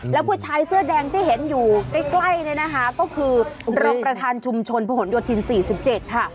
และผู้ชายเสื้อแดงที่เห็นอยู่ใกล้นะคะก็คือรกประทานชุมชนประหวนโยทธิน๔๗ค่ะ